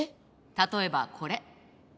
例えばこれ。